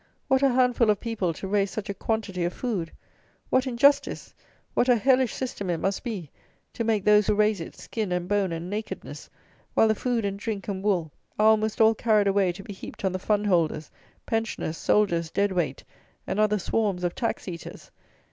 What a handful of people to raise such a quantity of food! What injustice, what a hellish system it must be, to make those who raise it skin and bone and nakedness, while the food and drink and wool are almost all carried away to be heaped on the fund holders, pensioners, soldiers, dead weight, and other swarms of tax eaters!